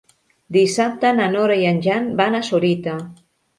Dissabte na Nora i en Jan van a Sorita.